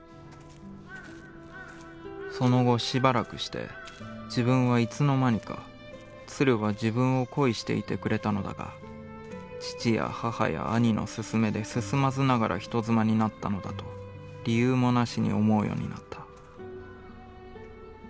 「其後暫くして自分は何時のまにか鶴は自分を恋していてくれたのだが父や母や兄のすすめで進まずながら人妻になったのだと理由も無しに思うようになった」。